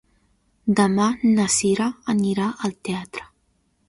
Demà na Cira anirà al teatre.